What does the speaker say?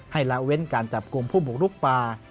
ให้ลาเว้นการจับกลุ่มผู้ปลูกลูกป่า